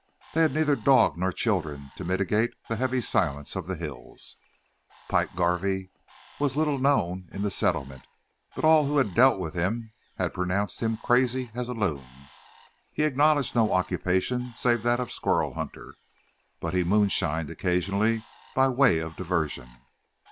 They had neither dog nor children to mitigate the heavy silence of the hills. Pike Garvey was little known in the settlements, but all who had dealt with him pronounced him "crazy as a loon." He acknowledged no occupation save that of a squirrel hunter, but he "moonshined" occasionally by way of diversion.